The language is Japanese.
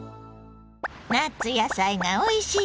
夏野菜がおいしい